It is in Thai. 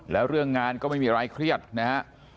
แล้วเรื่องงานก็ไม่มีอะไรเครียดนะฮะ